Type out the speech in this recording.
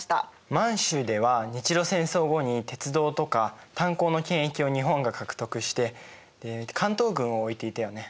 満州では日露戦争後に鉄道とか炭鉱の権益を日本が獲得して関東軍を置いていたよね。